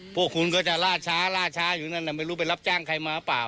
พวกคุณก็จะล่าช้าล่าช้าอยู่นั่นไม่รู้ไปรับจ้างใครมาเปล่า